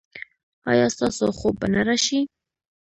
ایا ستاسو خوب به را نه شي؟